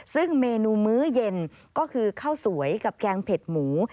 ซึ่งเมนูมื้อเย็นก็คือข้าวสวยกับแกงเผ็ดหมู